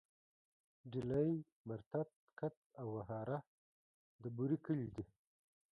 ډيلی، مرتت، کڅ او وهاره د بوري کلي دي.